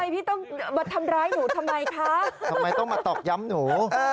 พี่ต้องมาทำร้ายหนูทำไมคะทำไมต้องมาตอกย้ำหนู